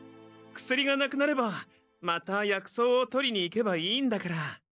薬がなくなればまた薬草を取りに行けばいいんだから。